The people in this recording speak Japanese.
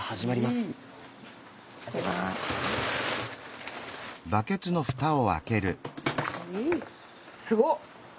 すごっ！